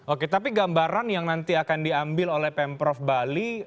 oke tapi gambaran yang nanti akan diambil oleh pemprov bali